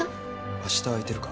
明日空いてるか？